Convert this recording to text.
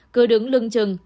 cứ đứng lưng chừng